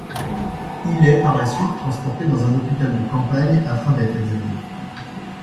Il est par la suite transporté dans un hôpital de campagne afin d'être examiné.